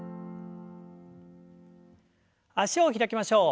脚を開きましょう。